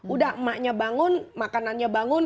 udah emaknya bangun makanannya bangun